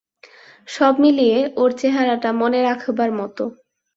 সব মিলিয়ে ওর চেহারাটা মনে রাখবার মতো।